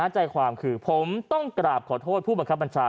ใจความคือผมต้องกราบขอโทษผู้บังคับบัญชา